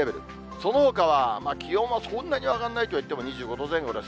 そのほかは気温はそんなに上がらないといっても２５度前後です。